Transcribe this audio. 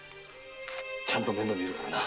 ちゃんと面倒みるからな。